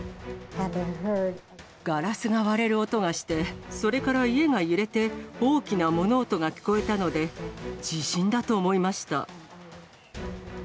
ガラスが割れる音がして、それから家が揺れて、大きな物音が聞こえたので、地震だと思いました。